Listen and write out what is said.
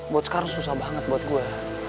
buat sekarang susah banget buat gue